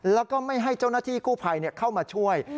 แล้วก็ไม่ให้เจ้าหน้าที่กู้ภัยเข้ามาช่วย